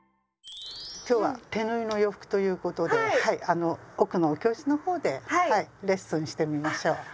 今日は手縫いの洋服ということで奥のお教室の方でレッスンしてみましょう。